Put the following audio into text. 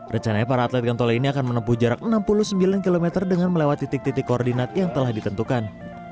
rencananya para atlet gantole ini akan menempuh jarak enam puluh sembilan km dengan melewati titik titik koordinat yang telah ditentukan